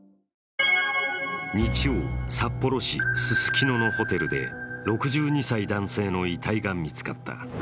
日曜、札幌市ススキノのホテルで６２歳男性の遺体が見つかった。